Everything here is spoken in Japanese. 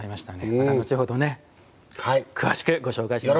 また後ほど詳しくご紹介します。